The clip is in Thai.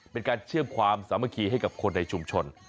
เป็นการเชื่อมความสามัคคีให้กับคนในชุมชน